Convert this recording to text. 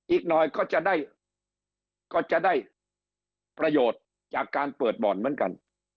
อีกน้อยก็จะได้ประโยชน์จากการเปิดบอนเหมือนกัน